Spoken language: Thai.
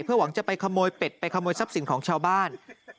หวังจะไปขโมยเป็ดไปขโมยทรัพย์สินของชาวบ้าน